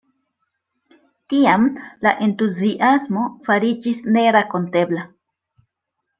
Tiam la entuziasmo fariĝis nerakontebla.